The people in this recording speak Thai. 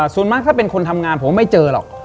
ส่วนมากถ้าเป็นคนทำงานผมไม่เจอหรอก